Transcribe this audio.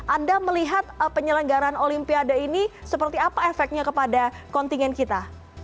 anda melihat penyelenggaran olimpiade ini seperti apa efeknya kepada kontingen kita